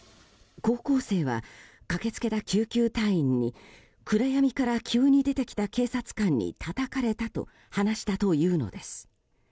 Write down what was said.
高校生は駆け付けた救急隊員に暗闇から急に出てきた警察官にたたかれたと話したというのです。